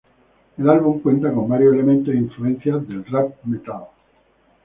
El álbum cuenta con varios elementos e influencias del rap metal.